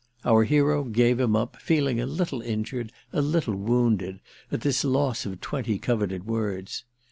Our hero gave him up, feeling a little injured, a little wounded, at this loss of twenty coveted words.